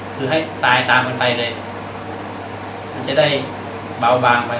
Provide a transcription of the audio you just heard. คือให้ตายตามกันไปเลยมันจะได้เบาบางไป